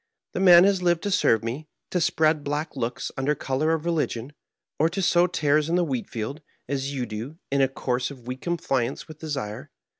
The man has lived to serve me, to spread black looks under color of religion, or to sow tares in the wheat field, as you do, in a course of weak compliance with desire.